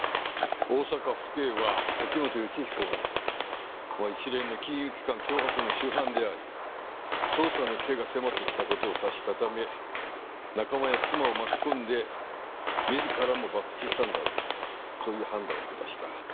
大阪府警は崎本善彦が一連の金融機関脅迫の主犯であり捜査の手が迫ってきた事を察したため仲間や妻を巻き込んで自らも爆死したんだろうとそういう判断を下した。